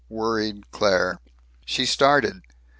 worried Claire. She started.